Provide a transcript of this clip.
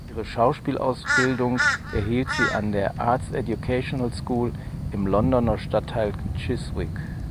Ihre Schauspielausbildung erhielt sie an der "Arts Educational School" im Londoner Stadtteil Chiswick.